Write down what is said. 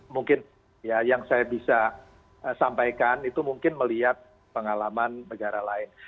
mungkin ya yang saya bisa sampaikan itu mungkin melihat pengalaman negara lain